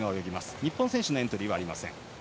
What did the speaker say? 日本選手のエントリーはありません。